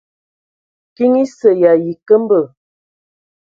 Kiŋ esə y ayi nkəmbə.